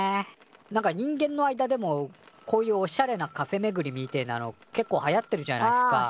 なんか人間の間でもこういうおしゃれなカフェめぐりみてえなのけっこうはやってるじゃないっすかあ。